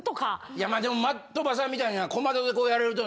いやでも的場さんみたいな小窓でこうやられると。